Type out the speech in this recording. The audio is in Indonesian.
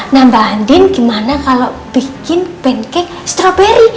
nah mbak andin gimana kalau bikin pancake strawberry